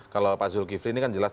kalau pak zulkifli ini kan jelas